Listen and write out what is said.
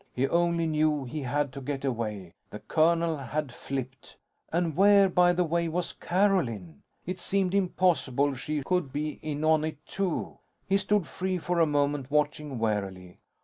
He only knew he had to get away. The colonel had flipped. And where, by the way, was Carolyn? It seemed impossible she could be in on it, too. He stood free for a moment, watching warily.